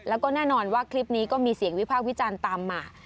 แล้วก็แน่นอนว่าคลิปนี้ก็มีเสียงวิพากษ์วิจารณ์ตามมา